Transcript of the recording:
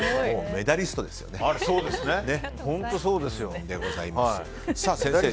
メダリストですよ、もう。